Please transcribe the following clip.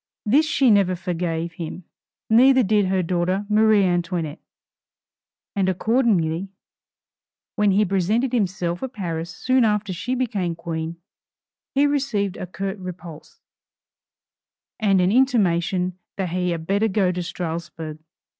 This she never forgave him, neither did her daughter Marie Antoinette; and accordingly, when he presented himself at Paris soon after she became Queen, he received a curt repulse, and an intimation that he had better go to Strasburg.